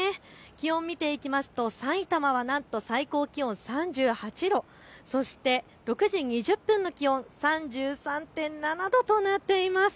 気温、見ていきますとさいたまはなんと最高気温３８度、そして６時２０分の気温３３．７度となっています。